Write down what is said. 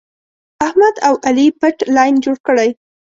احمد او علي پټ لین جوړ کړی.